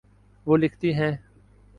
وہ لکھتی ہیں